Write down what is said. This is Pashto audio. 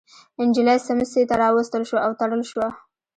نجلۍ سمڅې ته راوستل شوه او تړل شوه.